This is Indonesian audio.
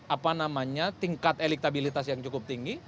apa namanya tingkat elektabilitas yang cukup tinggi